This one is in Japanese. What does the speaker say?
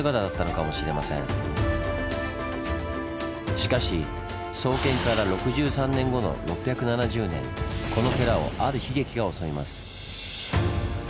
しかし創建から６３年後の６７０年この寺をある悲劇が襲います。